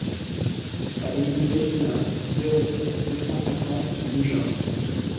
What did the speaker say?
Avenue Regina, zéro six, deux cent cinquante Mougins